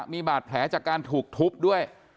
มีบาดแผลจากการถูกทุบด้วย